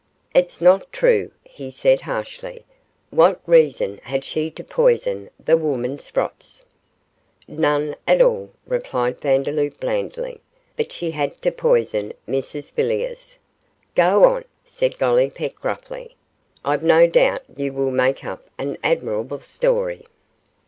'It's not true,' he said, harshly; 'what reason had she to poison the woman Sprotts?' 'None at all,' replied Vandeloup, blandly; 'but she had to poison Mrs Villiers.' 'Go on,' said Gollipeck, gruffly; 'I've no doubt you will make up an admirable story.